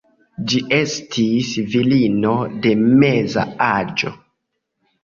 Ĝi estis virino de meza aĝo.